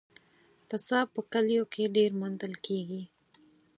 پسه په کلیو کې ډېر موندل کېږي.